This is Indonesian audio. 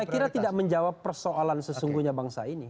saya kira tidak menjawab persoalan sesungguhnya bangsa ini